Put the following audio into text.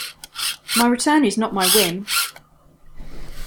My Return is not my whim!